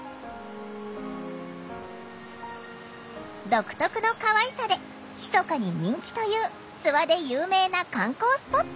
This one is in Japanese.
独特のかわいさでひそかに人気という諏訪で有名な観光スポット。